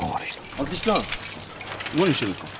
明智さん何してるんですか？